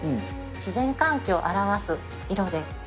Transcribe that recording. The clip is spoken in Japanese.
自然環境を表す色です。